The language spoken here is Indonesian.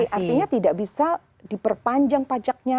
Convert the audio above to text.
artinya tidak bisa diperpanjang pajaknya